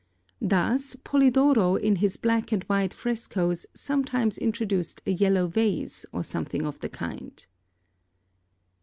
Thus, Polidoro in his black and white frescoes sometimes introduced a yellow vase, or something of the kind.